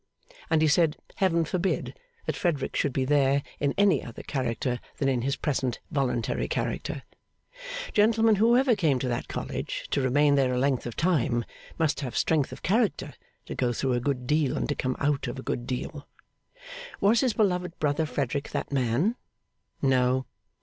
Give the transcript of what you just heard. And, he said, Heaven forbid that Frederick should be there in any other character than in his present voluntary character! Gentlemen, whoever came to that College, to remain there a length of time, must have strength of character to go through a good deal and to come out of a good deal. Was his beloved brother Frederick that man? No.